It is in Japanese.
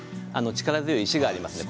力強い石があります。